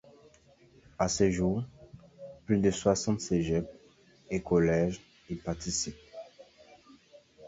À ce jour, plus de soixante cégeps et collèges y participent.